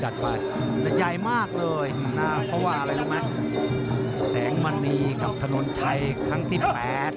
แต่ใหญ่มากเลยนะเพราะว่าอะไรรู้ไหมแสงมณีกับถนนชัยครั้งที่แปด